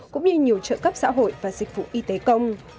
cũng như nhiều trợ cấp xã hội và dịch vụ y tế công